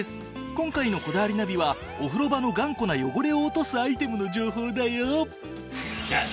今回の『こだわりナビ』はお風呂場の頑固な汚れを落とすアイテムの情報だよ。